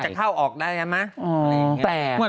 จะเข้าออกได้ใช่ไหม